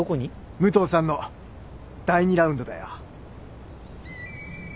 武藤さんの第２ラウンドだよ。